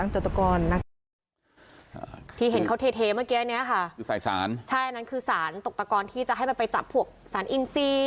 ใช่อันนั้นคือสารตกตะกอนที่จะให้มันไปจับพวกสารอินซี